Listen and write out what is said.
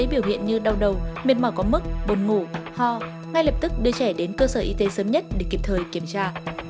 biểu hiện như đau đầu mệt mỏi có mức buồn ngủ ho ngay lập tức đưa trẻ đến cơ sở y tế sớm nhất để kịp thời kiểm tra